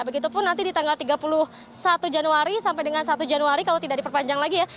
begitupun nanti di tanggal tiga puluh satu januari sampai dengan satu januari kalau tidak diperpanjang lagi ya